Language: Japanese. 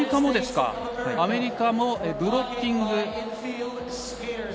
アメリカもブロッキング。